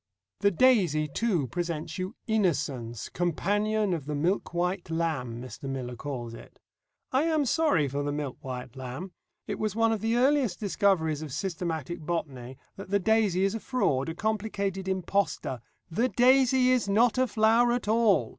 The daisy, too, presents you Innocence, "companion of the milk white lamb," Mr. Miller calls it. I am sorry for the milk white lamb. It was one of the earliest discoveries of systematic botany that the daisy is a fraud, a complicated impostor. _The daisy is not a flower at all.